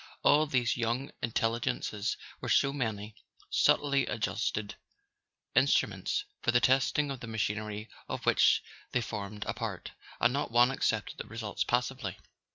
All these young intel¬ ligences were so many subtly adjusted instruments for the testing of the machinery of which they formed a part; and not one accepted the results passively.